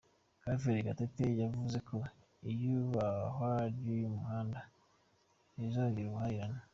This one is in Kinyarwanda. Claver Gatete yavuze ko iyubakwa ry’uyu muhanda rizongera ubuhahirane.